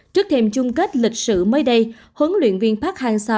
trước thêm chung kết lịch sử mới đây huấn luyện viên park hang seo